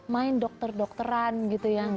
main dokter dokteran gitu ya